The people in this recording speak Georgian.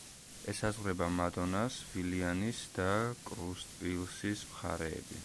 ესაზღვრება მადონას, ვილიანის და კრუსტპილსის მხარეები.